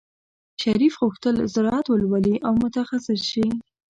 شریف غوښتل زراعت ولولي او متخصص شي.